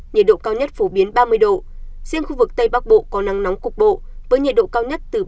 nhiệt độ cao nhất phổ biến ba mươi độ riêng khu vực tây bắc bộ có nắng nóng cục bộ với nhiệt độ cao nhất từ ba mươi bốn ba mươi năm độ